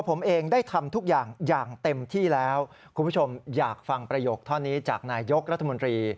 ผมอยากฟังประโยคเท่านี้จากนายกรัฐมนตรี